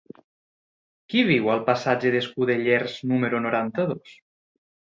Qui viu al passatge d'Escudellers número noranta-dos?